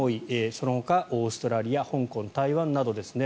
そのほかオーストラリア香港、台湾などですね。